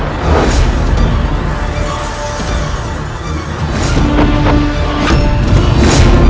aku sampai di tangga tuanku